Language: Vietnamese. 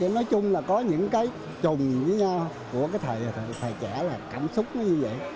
nói chung là có những cái trùng với nhau của cái thời trẻ là cảm xúc nó như vậy